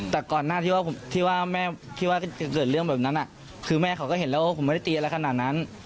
แต่ก่อนหน้าที่ว่าแม่คิดว่าจะเกิดเรื่องแบบนั้นคือแม่เขาก็เห็นแล้วว่าผมไม่ได้ตีอะไรขนาดนั้น